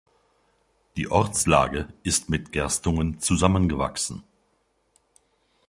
Die Ortslage ist mit Gerstungen zusammengewachsen.